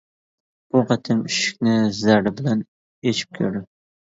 بۇ قېتىم ئىشىكنى زەردە بىلەن ئېچىپ كىردىم.